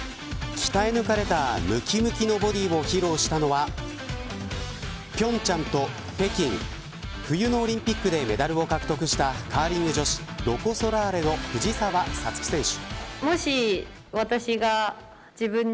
鍛え抜かれたムキムキのボディーを披露したのは平昌と北京冬のオリンピックでメダルを獲得したカーリング女子ロコ・ソラーレの藤澤五月選手。